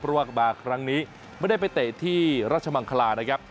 เพราะว่ามาครั้งนี้ไม่ได้ไปเตะที่รัชมังคลานะครับ